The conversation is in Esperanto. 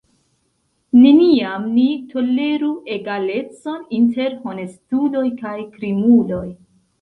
Neniam ni toleru egalecon inter honestuloj kaj krimuloj!